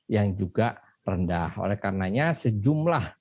dan juga dengan risiko penularan yang rendah